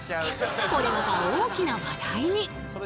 これまた大きな話題に！